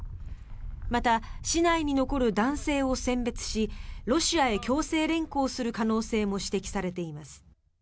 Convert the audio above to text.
また、市内に残る男性を選別しロシアへ強制連行する可能性も指摘されています。